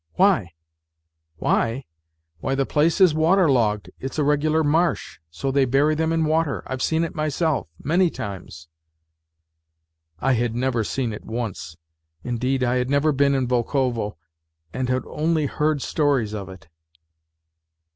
" Why ? Why, the place is waterlogged. It's a regular marsh So they bury them in water. I've seen it myself ... many times." (I had never seen it once, indeed I had never been in Volkovo, and had only heard stories of it.)